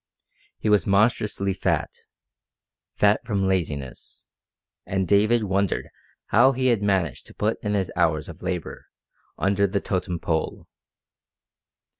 He was monstrously fat fat from laziness; and David wondered how he had managed to put in his hours of labour under the totem pole.